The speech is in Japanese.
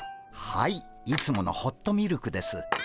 はいいつものホットミルクです。